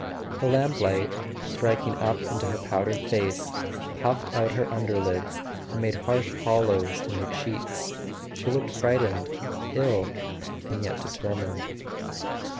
The lamplight, striking up into her powdered face, puffed out her underlids and made harsh hollows in her cheeks. She looked frightened, ill and yet determined.